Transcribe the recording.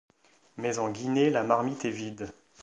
Mais en Guinée, la marmite est vide.